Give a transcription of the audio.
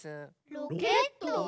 ロケット？